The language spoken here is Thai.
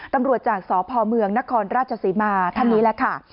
ตำรวจจากสพเมืองนครราชศรีมาท่านนี้แหละค่ะ